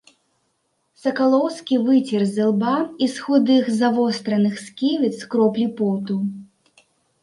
Сакалоўскі выцер з ілба і з худых завостраных сківіц кроплі поту.